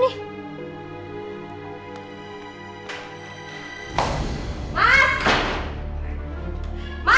tidak ada d normally